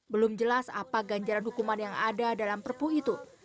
belum jelas apa ganjaran hukuman yang ada dalam perpu itu